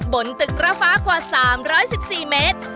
บนตึกร้าฟ้ากว่า๓๑๔เมตร